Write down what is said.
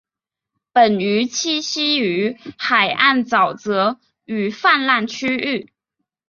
本鱼栖息于海岸沼泽与泛滥区域。